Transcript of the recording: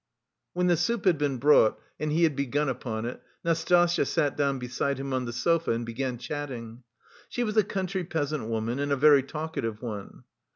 When the soup had been brought, and he had begun upon it, Nastasya sat down beside him on the sofa and began chatting. She was a country peasant woman and a very talkative one.